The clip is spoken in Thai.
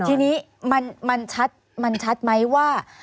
ทีนี้มันชัดไหมว่า